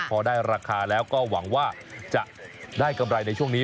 พอได้ราคาแล้วก็หวังว่าจะได้กำไรในช่วงนี้